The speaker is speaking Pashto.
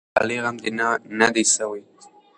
د ملالۍ غم نه دی سوی.